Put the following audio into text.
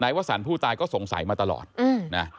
นายวสรรค์ผู้ตายก็สงสัยมาตลอดนะ